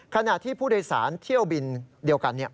ขณะที่ผู้โดยสารเที่ยวบินเดียวกัน